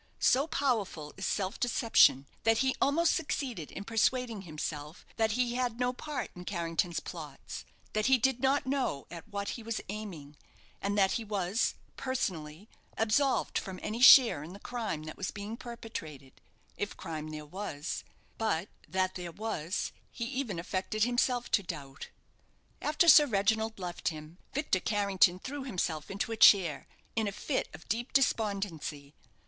So powerful is self deception, that he almost succeeded in persuading himself that he had no part in Carrington's plots that he did not know at what he was aiming and that he was, personally, absolved from any share in the crime that was being perpetrated, if crime there was; but that there was, he even affected himself to doubt. After Sir Reginald left him, Victor Carrington threw himself into a chair in a fit of deep despondency.